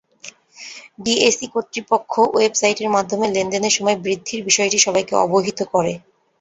DSE কর্তৃপক্ষ ওয়েবসাইটের মাধ্যমে লেনদেনের সময় বৃদ্ধির বিষয়টি সবাইকে অবহিত করে।